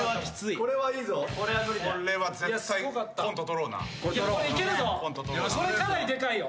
これかなりでかいよ。